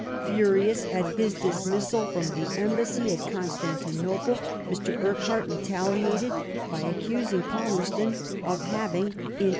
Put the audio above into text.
Furious at his dismissal from the embassy at Constantinople, Mr. Urquhart retaliated by accusing Palmerston of having, in 1886